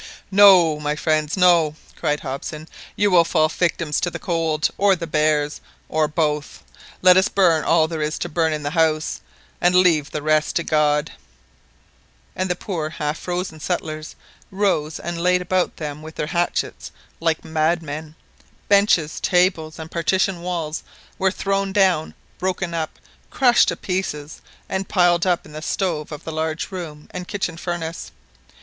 "No, my friends, no!" cried Hobson; "you would fall victims to the cold, or the bears, or both. Let us burn all there is to burn in the house, and leave the rest to God !" And the poor half frozen settlers rose and laid about them with their hatchets like madmen. Benches, tables, and partition walls were thrown down, broken up, crushed to pieces, and piled up in the stove of the large room and kitchen furnace.